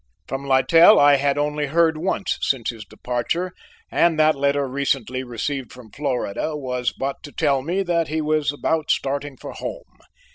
From Littell I had only heard once since his departure and that letter recently received from Florida was but to tell me that he was about starting for home.